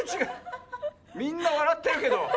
みんなわらってるけど。